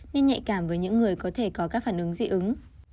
nên nhạy cảm với những người có thể có các phản ứng dị ứng